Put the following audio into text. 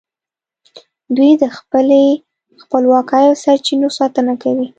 دوی د خپلې خپلواکۍ او سرچینو ساتنه کوي